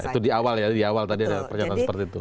itu di awal ya di awal tadi ada pernyataan seperti itu